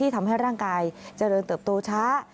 ทำให้ร่างกายเจริญเติบโตช้า